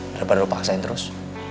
daripada lo paksain terus